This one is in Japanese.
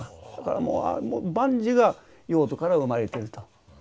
だからもう万事が用途から生まれていると。